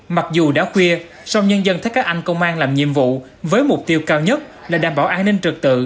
mặc dù đã khuya song nhân dân thấy các anh công an làm nhiệm vụ với mục tiêu cao nhất là đảm bảo an ninh trực tự